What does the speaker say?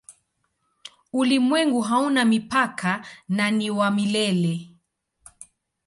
Ulimwengu hauna mipaka na ni wa milele.